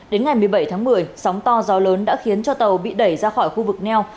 đến ngày một mươi bảy tháng một mươi sóng to gió lớn đã khiến cho tàu bị đẩy ra khỏi khu vực neo